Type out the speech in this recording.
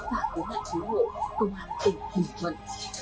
và cứu nạn cứu hộ công an tỉnh hồ quận